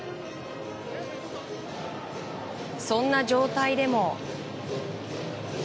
そんな状態でも。